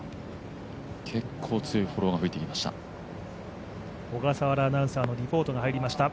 結構強いフォローが入ってきました。